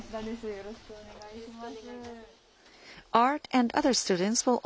よろしくお願いします。